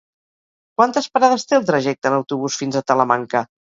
Quantes parades té el trajecte en autobús fins a Talamanca?